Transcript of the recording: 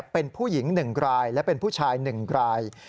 เป็นผู้หญิง๑รายและเป็นผู้ชาย๑ราย